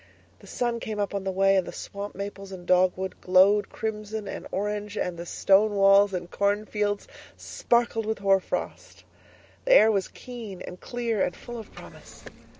The sun came up on the way, and the swamp maples and dogwood glowed crimson and orange and the stone walls and cornfields sparkled with hoar frost; the air was keen and clear and full of promise.